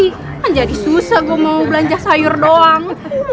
kan jadi susah gue mau belanja sayur doang